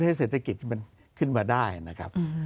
ให้เศรษฐกิจที่มันขึ้นมาได้นะครับ